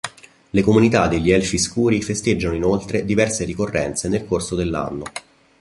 Le comunità degli elfi scuri festeggiano inoltre diverse ricorrenze nel corso dell'anno.